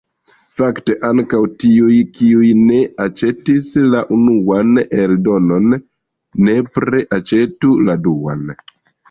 Fakte ankaŭ tiuj, kiuj ne aĉetis la unuan eldonon, nepre aĉetu la duan.